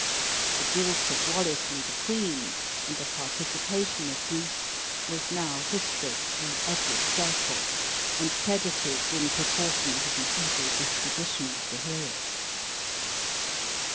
The guilt of Wallace and the queen, and the participation of Bruce, was now whispered through every circle, and credited in proportion to the evil disposition of the hearers.